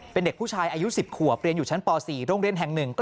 เป็นเด็กผู้ชายอายุ๑๐ขวบเรียนอยู่ชั้นป๔โรงเรียนแห่ง๑